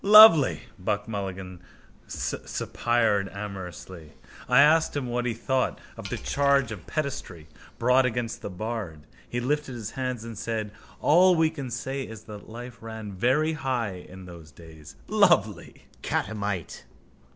—Lovely! Buck Mulligan suspired amorously. I asked him what he thought of the charge of pederasty brought against the bard. He lifted his hands and said: All we can say is that life ran very high in those days. Lovely! Catamite.